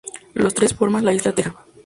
Los tres forman la isla Teja.